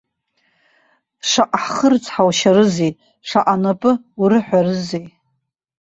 Шаҟа хкы рыцҳаушьарызеи, шаҟа напы урыҳәарызеи.